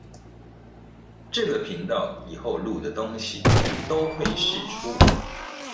這個頻道以後錄的東西都會釋出